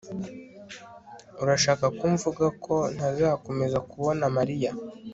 urashaka ko mvuga ko ntazakomeza kubona mariya